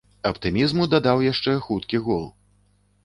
Аптымізму дадаў яшчэ хуткі гол.